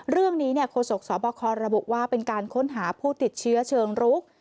โฆษกสบคระบุว่าเป็นการค้นหาผู้ติดเชื้อเชิงรุก